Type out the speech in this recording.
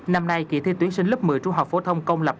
năm nay kỳ thi tuyển sinh lớp một mươi trung học phổ thông công lập